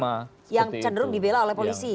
yang cenderung dibela oleh polisi